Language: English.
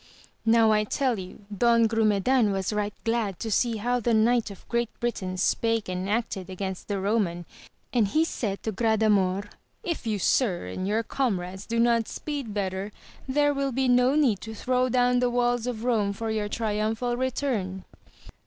Now I tell you Don Grumedan was right glad to see how the Knight of Great Britain spake and acted against the Roman, and he said to Gradamor, If you sir and your com rades do not speed better, there will be no need to throw down the walls of Rome for your triumphal return.